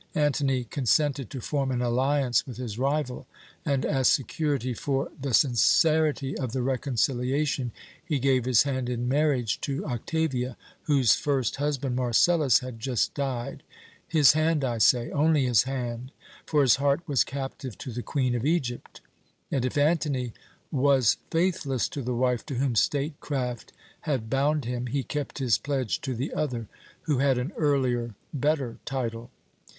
Antony consented to form an alliance with his rival, and, as security for the sincerity of the reconciliation, he gave his hand in marriage to Octavia, whose first husband, Marcellus, had just died his hand, I say, only his hand, for his heart was captive to the Queen of Egypt. And if Antony was faithless to the wife to whom statecraft had bound him, he kept his pledge to the other, who had an earlier, better title.